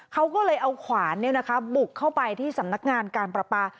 เขาก็เลยเอาขวานบุกเข้าไปที่สำนักงานการประปา